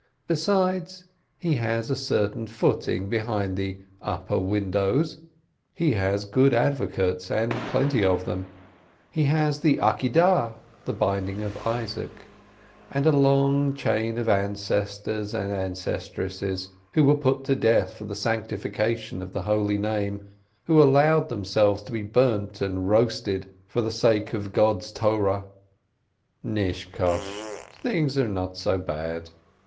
Besides, he has a certain footing behind the "upper windows," he has good advo cates and plenty of them ; he has the "binding of Isaac" and a long chain of ancestors and ancestresses, who were put to death for the sanctification of the Holy Name, who allowed themselves to be burnt and roasted for the sake of God's Torah. Nishkoshe! Things are not so bad.